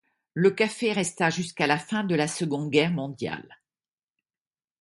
Le café resta jusqu'à la fin de la Seconde Guerre mondiale.